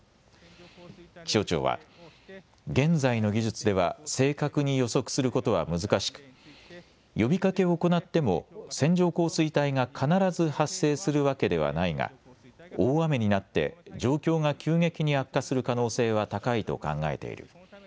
気象庁は現在の技術では正確に予測することは難しく呼びかけを行っても線状降水帯が必ず発生するわけではないが大雨になって状況が急激に悪化する可能性は高いと考えている。